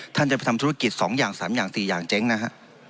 ท่านจะไปทำธุรกิจ๒อย่าง๓อย่าง๔อย่างเจ๊งนะฮะ